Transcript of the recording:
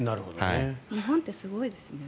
日本ってすごいですね。